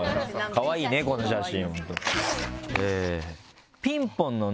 かわいいねこの写真。